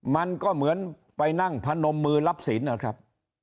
มันก็เหมือนไปนั่งพนมมือรับศีลนะครับ